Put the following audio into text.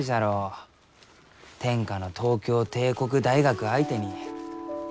天下の東京帝国大学相手に。